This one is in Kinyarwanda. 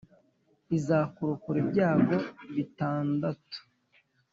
Izakurokora ibyago bitandatu